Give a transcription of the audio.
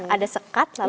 ada sekat lalu